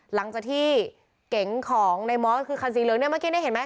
หลังจากที่เก๋งของในมอสคือคันสีเหลืองเนี่ยเมื่อกี้เนี่ยเห็นไหม